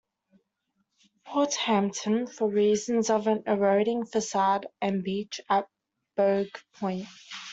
Fort Hampton for reasons of an eroding facade and beach at Bogue Point.